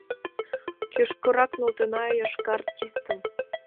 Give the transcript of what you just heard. Кӱшкырак нӧлтена йошкар тистым!